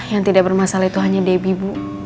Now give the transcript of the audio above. yang tidak bermasalah itu hanya debbie bu